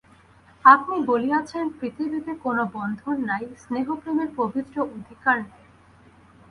আপনি বলিয়াছেন, পৃথিবীতে কোনো বন্ধন নাই, স্নেহপ্রেমের পবিত্র অধিকার নাই।